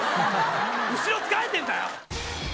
後ろつかえてんだよ！